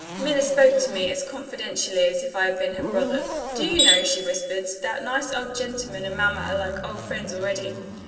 Minna spoke to me as confidentially as if I had been her brother. "Do you know," she whispered, "that nice old gentleman and mamma are like old friends already.